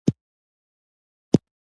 هغه چا چې په کندهار کې پناه ورکړې وه.